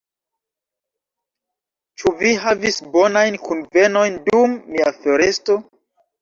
Ĉu vi havis bonajn kunvenojn dum mia foresto?